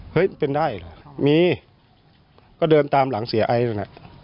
เป็นได้เหรอมีก็เดินตามหลังเสียไอซ์น่ะ